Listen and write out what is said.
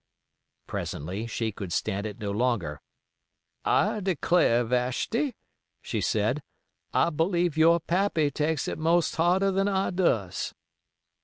Presently she could stand it no longer. "I de clar, Vashti," she said, "I believe your pappy takes it most harder than I does."